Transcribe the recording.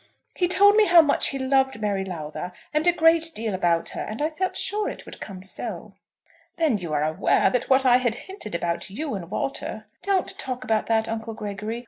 He told me how much he loved Mary Lowther, and a great deal about her, and I felt sure it would come so." "Then you are aware that what I had hinted about you and Walter " "Don't talk about that, Uncle Gregory.